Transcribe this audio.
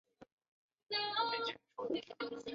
多花茶藨子为虎耳草科茶藨子属下的一个种。